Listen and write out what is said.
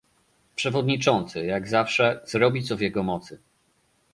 Przewodniczący, jak zawsze, zrobi co w jego mocy